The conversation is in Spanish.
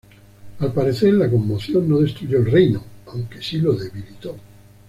Al parecer, la conmoción no destruyó el reino aunque si lo debilitó.